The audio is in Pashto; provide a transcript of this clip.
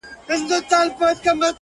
• چي د وگړو څه يې ټولي گناه كډه كړې؛